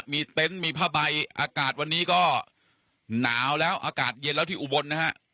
มีเต็นต์มีผ้าใบอากาศวันนี้ก็หนาวแล้วอากาศเย็นแล้วที่อุบลนะฮะ